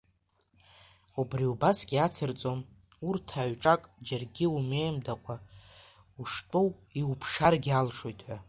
Убри убасгьы ацырҵон, урҭ аҩҿак, џьаргьы умеим-дакәа, уштәоу иуԥшааргьы алшоит ҳәа.